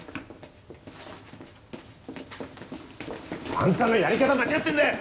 あんたのやり方は間違ってんだよ！